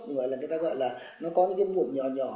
người ta gọi là nó có những cái mụn nhỏ nhỏ